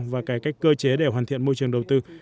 và cải cách cơ chế để hoàn thiện môi trường đầu tư